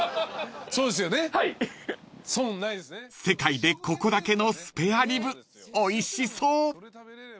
［世界でここだけのスペアリブおいしそう］